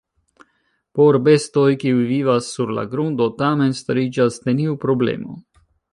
Por bestoj, kiuj vivas sur la grundo, tamen stariĝas neniu problemo.